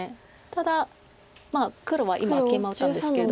ただ黒は今ケイマ打ったんですけれども。